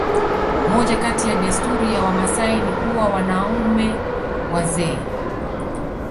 moja kati ya desturi ya wamaasai ni kuwa wanaume wazee